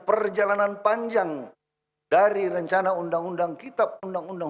perjalanan panjang dari rencana undang undang kitab undang undang